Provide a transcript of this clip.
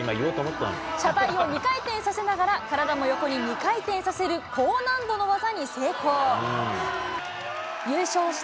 車体を２回転させながら、体も横に２回転させる高難度の技に成功。